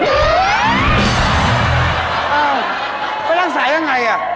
เอ้าไปรักษาอย่างไรอะ